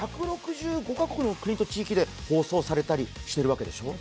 １６５カ国の国と地域で放送されたりするわけでしょう。